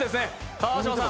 川島さん